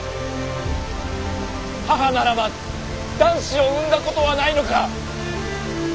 母ならば男子を産んだことはないのか？